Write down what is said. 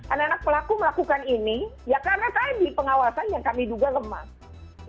anak anak pelaku melakukan ini ya karena tadi pengawasan yang kami duga lemah